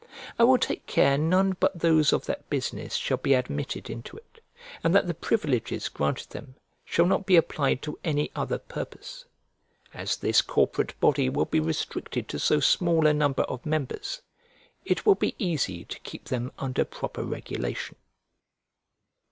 I will take care none but those of that business shall be admitted into it, and that the privileges granted them shall not be applied to any other purpose. As this corporate body will be restricted to so small a number of members, it will be easy to keep them under proper regulation.